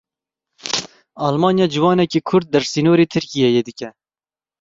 Almanya ciwanekî Kurd dersînorî Tirkiyeyê dike.